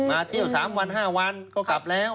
มาเที่ยวสามวันห้าวันก็กลับแล้ว